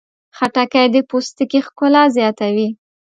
خټکی د پوستکي ښکلا زیاتوي.